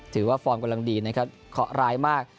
ถือว่าฟอร์มกำลังดีนะครับขอร้ายมาก